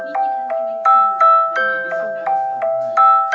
เป็นละทีที่สุด